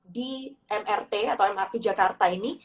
di mrt atau mrt jakarta ini